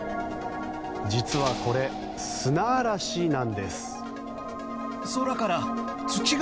実はこれ、砂嵐なんです。